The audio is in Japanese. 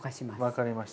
分かりました。